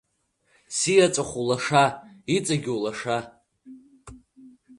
Сиеҵәахә улаша, иҵегьы улаша.